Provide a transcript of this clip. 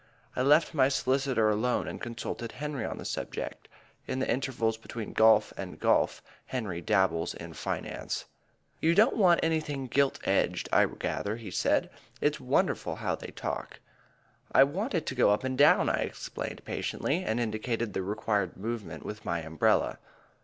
I left my solicitor alone and consulted Henry on the subject. In the intervals between golf and golf Henry dabbles in finance. "You don't want anything gilt edged, I gather," he said. It's wonderful how they talk. "I want it to go up and down," I explained patiently, and I indicated the required movement with my umbrella.